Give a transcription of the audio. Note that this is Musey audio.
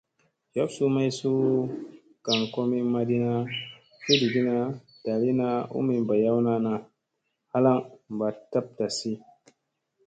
Jaf suu may suu gaŋ komi maɗina, fiɗgina, ɗaliina u mi ɓayawna naa halaŋ ba tab tasi.